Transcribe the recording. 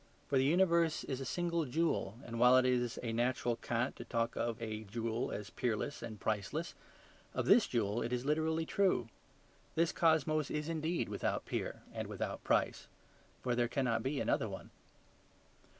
For the universe is a single jewel, and while it is a natural cant to talk of a jewel as peerless and priceless, of this jewel it is literally true. This cosmos is indeed without peer and without price: for there cannot be another one.